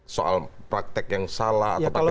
soal praktek yang salah atau praktek yang tidak tepat